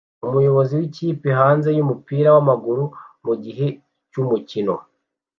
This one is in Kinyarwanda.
Umuyobozi w'ikipe hanze yumupira wamaguru mugihe cyumukino